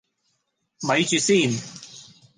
咪住先